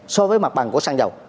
so với mặt bằng của xăng dầu